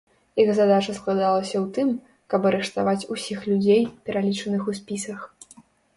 Іх задача складалася ў тым, каб арыштаваць усіх людзей, пералічаных у спісах.